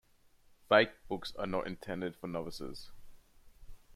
Fake books are not intended for novices.